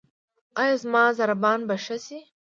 ایا زما ضربان به ښه شي؟